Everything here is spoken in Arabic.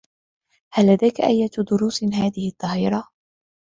هل لديك أيّة دروس هذه الظّهيرة؟